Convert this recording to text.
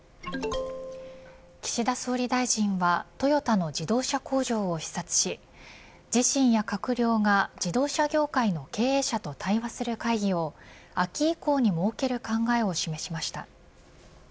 岸田総理大臣はトヨタの自動車工場を視察し自身や閣僚が自動車協会の経営者と対話する会議を秋以降に設ける考えを示しました。